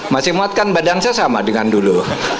masih muatkan badan saya sama dengan dulu